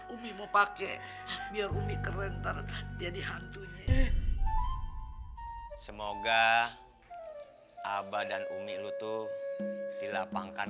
umi mau pakai biar umi kerenter jadi hantunya semoga abah dan umi lu tuh dilapangkan